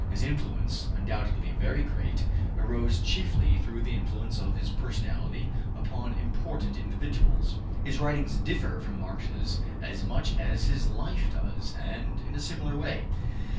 His influence, undoubtedly very great, arose chiefly through the influence of his personality upon important individuals. His writings differ from Marx's as much as his life does, and in a similar way.